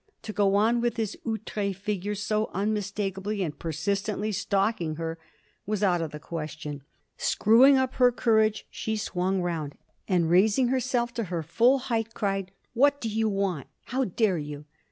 To go on with this outré figure so unmistakably and persistently stalking her, was out of the question. Screwing up courage, she swung round, and, raising herself to her full height, cried: "What do you want? How dare you?"